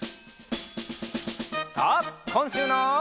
さあこんしゅうの。